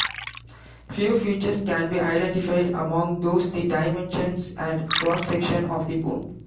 Few features can be identified, among those the dimensions and cross-section of the bone.